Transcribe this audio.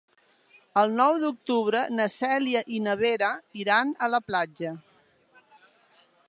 El nou d'octubre na Cèlia i na Vera iran a la platja.